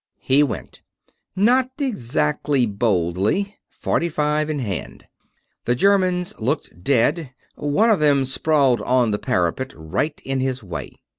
He went not exactly boldly forty five in hand. The Germans looked dead. One of them sprawled on the parapet, right in his way.